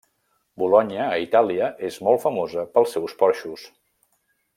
Bolonya, a Itàlia, és molt famosa pels seus porxos.